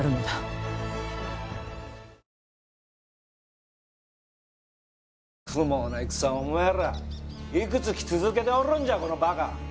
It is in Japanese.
こんな不毛な戦をお前ら幾月続けておるんじゃこのバカ。